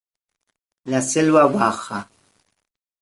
La Selva Baja.